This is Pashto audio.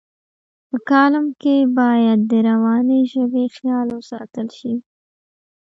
په کالم کې باید د روانې ژبې خیال وساتل شي.